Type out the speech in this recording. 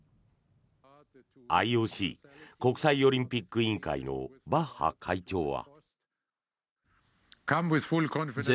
ＩＯＣ・国際オリンピック委員会のバッハ会長は。